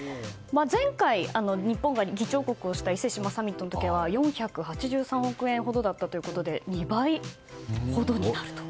前回、日本が議長国をした伊勢志摩サミットの時は４８３億円ほどだったということで２倍ほどになると。